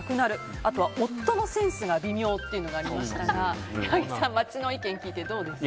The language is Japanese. あとは夫のセンスが微妙というのがありましたが矢作さん、街の意見聞いてどうですか？